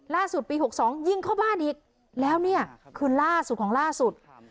ล่าสุดปี๖๒ยิงเข้าบ้านอีกแล้วเนี่ยคือล่าสุดของล่าสุด